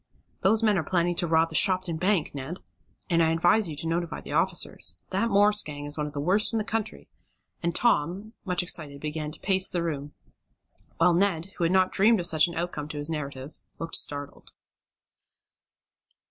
"Those men are planning to rob the Shopton Bank, Ned! And I advise you to notify the officers. That Morse gang is one of the worst in the country," and Tom, much excited, began to pace the room, while Ned, who had not dreamed of such an outcome to his narrative, looked startled.